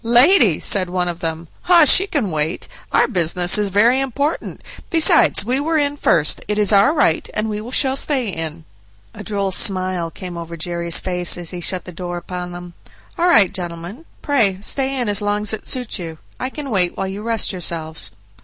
"Lady!" said one of them; "oh! she can wait; our business is very important, besides we were in first, it is our right, and we shall stay in." A droll smile came over Jerry's face as he shut the door upon them. "All right, gentlemen, pray stay in as long as it suits you; I can wait while you rest yourselves."